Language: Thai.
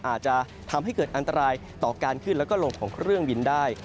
อาจจะทำให้เกิดอันตรายต่อการขึ้นแล้วก็ลงของเครื่องบินได้